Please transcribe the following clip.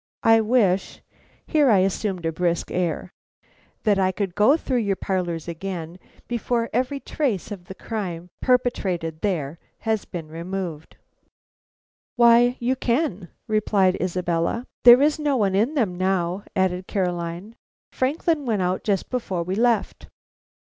I wish" here I assumed a brisk air "that I could go through your parlors again before every trace of the crime perpetrated there has been removed." "Why, you can," replied Isabella. "There is no one in them now," added Caroline, "Franklin went out just before we left."